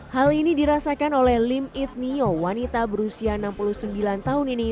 hal ini dirasakan oleh lim itnio wanita berusia enam puluh sembilan tahun ini